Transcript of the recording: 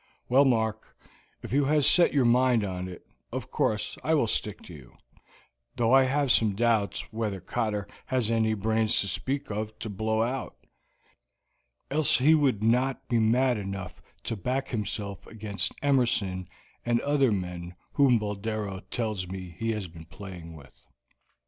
"Well, Mark, if you have set your mind on it, of course I will stick to you, though I have some doubts whether Cotter has any brains to speak of to blow out, else he would not be mad enough to back himself against Emerson and other men whom Boldero tells me he has been playing with."